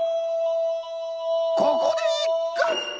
ここでいっく！